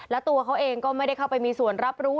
แล้วตัวเขาเองก็ไม่ได้เข้าไปมีส่วนรับรู้